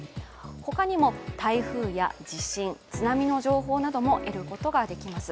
他にも台風や地震津波の情報なども得ることができます。